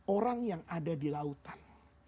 orang yang ada di lautan